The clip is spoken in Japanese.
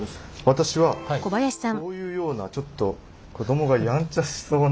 私はこういうようなちょっと子どもがやんちゃしそうな。